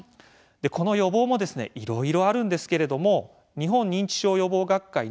この予防もですねいろいろあるんですけれども日本認知症予防学会の